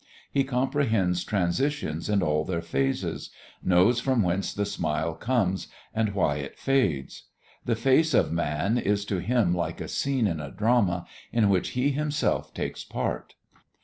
He comprehends transitions in all their phases, knows from whence the smile comes and why it fades. The face of man is to him like a scene in a drama in which he himself takes part.